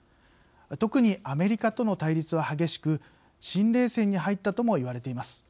特にアメリカとの対立は激しく新冷戦に入ったともいわれています。